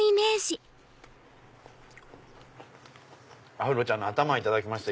アフロちゃんの頭をいただきました。